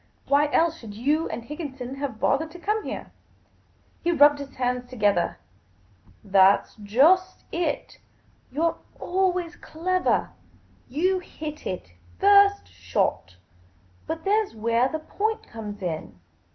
" Why else should you and Higginson have bothered to come here ?" He rubbed his hands together. '' That 's just it. You 're always clevah. You hit it first shot. But there 's wheah the point comes in.